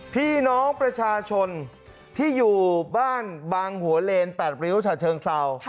พี่น้องประชาชนที่อยู่บ้านบางหัวเลน๘ริ้วฉะเชิงเศร้า